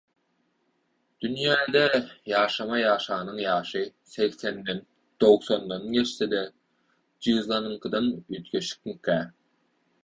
Dünýede-de ýasama ýaşanyň ýaşy segsenden, togsandan geçse-de jyzlanyňkydan üýtgeşikmikä?